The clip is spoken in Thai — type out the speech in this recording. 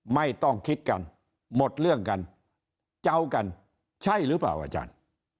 ไม่ต้องคิดกันหมดเรื่องกันเจ้ากันใช่หรือเปล่าอาจารย์